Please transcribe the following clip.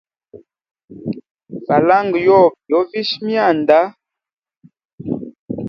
Falanga yobe yo visha myanda.